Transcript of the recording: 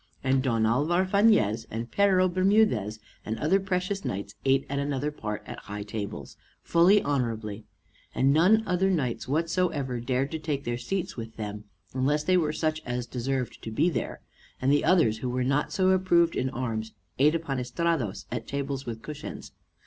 And Don Alvar Fañez, and Pero Bermudez, and other precious knights, ate in another part, at high tables, full honorably, and none other knights whatsoever dared take their seats with them, unless they were such as deserved to be there; and the others who were not so approved in arms ate upon estrados, at tables with cushions.